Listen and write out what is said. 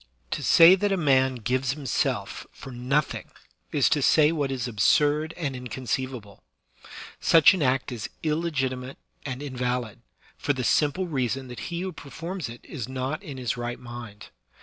To say that a man gives himself for nothing is to say what is absurd and inconceivable ; such an act is illegiti* mate and invalid, for the simple reason that he who per forms it is not in his right mind.